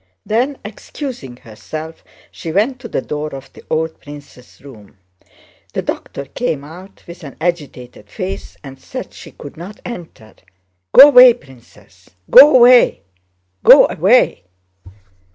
Then, excusing herself, she went to the door of the old prince's room. The doctor came out with an agitated face and said she could not enter. "Go away, Princess! Go away... go away!"